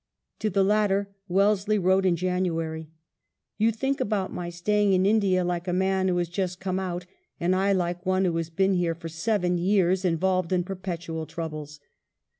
To the latter Wellesley wrote in January, " You think about my staying in India like a man who has just come out, and I like one who has been here for seven years involved in perpetual troubles."